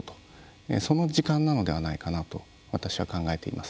その時間なのではないかなと私は考えています。